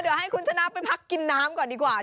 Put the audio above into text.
เดี๋ยวให้คุณชนะไปพักกินน้ำก่อนดีกว่า